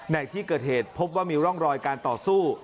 ในที่เกิดเหตุพบว่ามีร่องรอยการต่อสู้